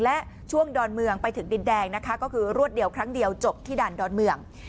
และช่วงดอนเมืองไปถึงดินแดงนะคะก็คือรวดเดียวครั้งเดียวจบที่ด่านดอนเมือง